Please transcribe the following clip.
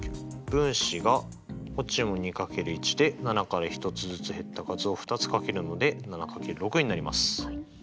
分子がこっちも２×１で７から１つずつ減った数を２つ掛けるので７×６になります。